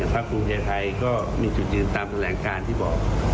ภูมิใจไทยก็มีจุดยืนตามแถลงการที่บอก